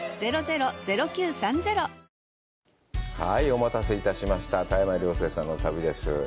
お待たせいたしました、田山涼成さんの旅です。